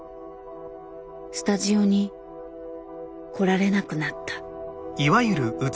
スタジオに来られなくなった。